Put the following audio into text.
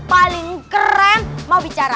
paling keren mau bicara